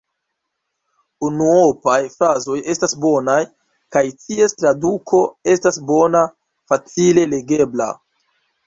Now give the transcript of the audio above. Unuopaj frazoj estas bonaj, kaj ties traduko estas bona, facile legebla.